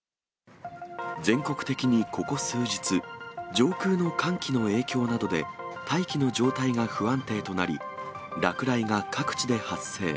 全国的にここ数日、上空の寒気の影響などで、大気の状態が不安定となり、落雷が各地で発生。